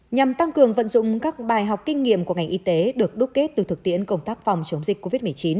nhằm tăng cường vận dụng các bài học kinh nghiệm của ngành y tế được đúc kết từ thực tiễn công tác phòng chống dịch covid một mươi chín